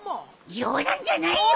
冗談じゃないよ！